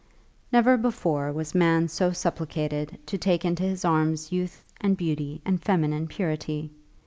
Never before was man so supplicated to take into his arms youth and beauty and feminine purity!